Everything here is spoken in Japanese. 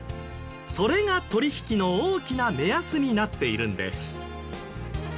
それが取引の大きな目安になっているんです。